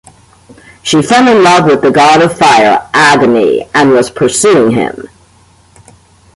She fell in love with the god of fire, Agni, and was pursuing him.